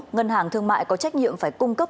ngân hàng thương mại có trách nhiệm phải cung cấp